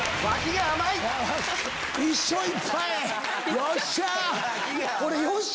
よっしゃ！